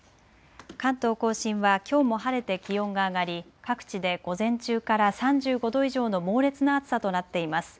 関東甲信はきょうも晴れて気温が上がり各地で午前中から３５度以上の猛烈な暑さとなっています。